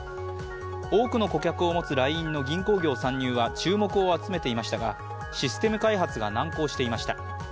多くの顧客を持つＬＩＮＥの銀行業参入は注目を集めていましたがシステム開発が難航していました。